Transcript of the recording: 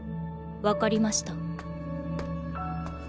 わかりました。